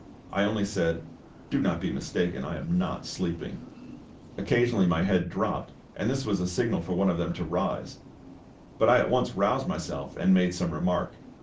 I only said, "Do not be mistaken; I am not sleeping." Occasionally my head dropped, and this was a signal for one of them to rise; but I at once roused myself and made some remark.